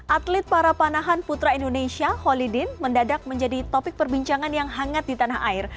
atlet para panahan putra indonesia holidin mendadak menjadi topik perbincangan yang hangat di tanah air